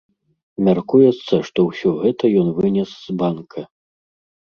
Мяркуецца, што ўсё гэта ён вынес з банка.